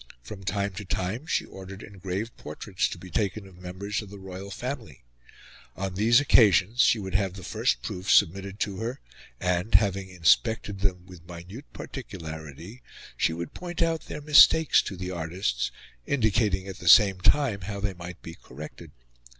From time to time she ordered engraved portraits to be taken of members of the royal family; on these occasions she would have the first proofs submitted to her, and, having inspected them with minute particularity, she would point out their mistakes to the artists, indicating at the same time how they might be corrected.